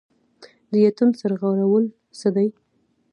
د یتیم سر غوړول څه دي؟